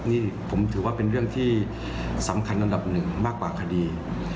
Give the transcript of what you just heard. นี่ผมถือว่าเป็นเรื่องที่สำคัญอันดับหนึ่งมากกว่าคดี